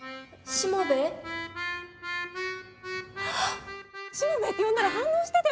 「しもべえ」って呼んだら反応してたよね？